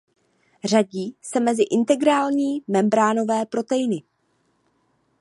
Řadí se mezi integrální membránové proteiny.